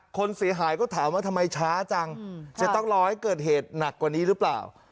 คนเสียหายก็ถามว่าทำไมช้าจังจะต้องรอให้เกิดเหตุหนักกว่านี้หรือเปล่า